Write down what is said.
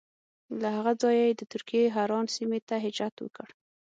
له هغه ځایه یې د ترکیې حران سیمې ته هجرت وکړ.